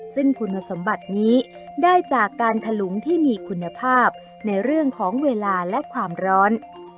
ซึ่งคุณสมบัตินี้ได้จากการถลุงที่มีคุณภาพในเรื่องของเวลาและความร้อน